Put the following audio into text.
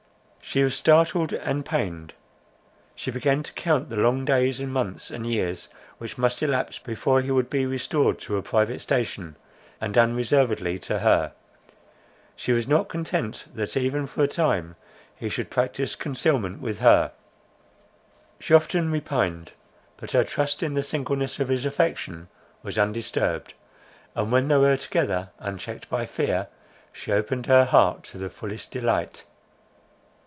She was startled and pained. She began to count the long days, and months, and years which must elapse, before he would be restored to a private station, and unreservedly to her. She was not content that, even for a time, he should practice concealment with her. She often repined; but her trust in the singleness of his affection was undisturbed; and, when they were together, unchecked by fear, she opened her heart to the fullest delight.